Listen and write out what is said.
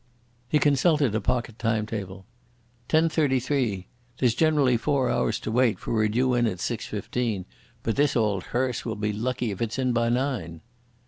He consulted a pocket timetable. "Ten thirty three. There's generally four hours to wait, for we're due in at six fifteen. But this auld hearse will be lucky if it's in by nine."